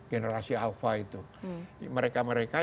generasi alfa itu mereka mereka